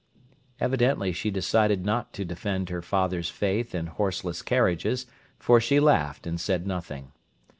Evidently she decided not to defend her father's faith in horseless carriages, for she laughed, and said nothing.